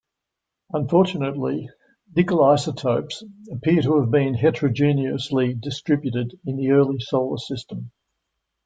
Unfortunately, nickel isotopes appear to have been heterogeneously distributed in the early solar system.